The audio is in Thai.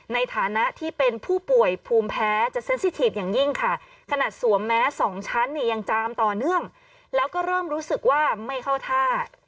ในฐานะที่เป็นผู้ป่วยภูมิแพ้จะเซ็นซี่ทีฟอย่างยิ่งค่ะขนาดสวมแม้สองชั้นเนี่ยยังจามต่อเนื่องแล้วก็เริ่มรู้สึกว่าไม่เข้าท่า